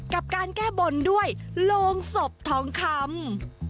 กับการแก้บนด้วยโรงศพทองคำ